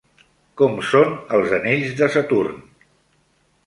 Com són els anells de Saturn?